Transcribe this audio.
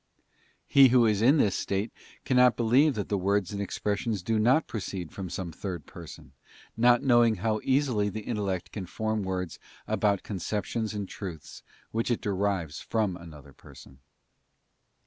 '* He who is in this state cannot believe that the words and expressions do not proceed from some third person, not knowing how easily the intellect can form words about con ceptions and truths which it derives from another person.